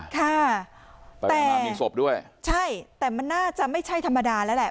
นะคะเป็นศพด้วยใช่แต่มันน่าจะไม่ใช่ธรรมดาแล้วแหละ